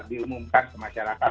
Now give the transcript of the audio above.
diumumkan ke masyarakat